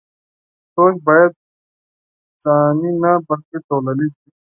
سوچ بايد ځاني نه بلکې ټولنيز وي.